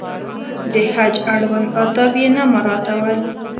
د حج اړوند آداب یې نه مراعاتول.